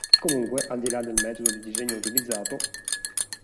Comunque, al di là del metodo di disegno utilizzato.